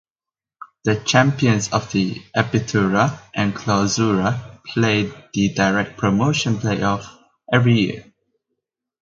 The champions of the Apertura and Clausura play the direct promotion playoff every year.